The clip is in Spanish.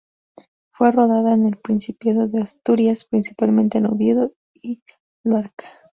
Fue rodada en el Principado de Asturias, principalmente en Oviedo y Luarca.